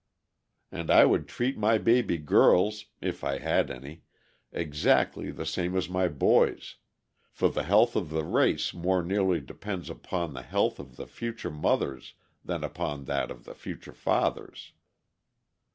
And I would treat my baby girls, if I had any, exactly the same as my boys, for the health of the race more nearly depends upon the health of the future mothers than upon that of the future fathers.